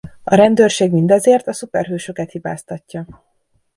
A rendőrség mindezért a szuperhősöket hibáztatja.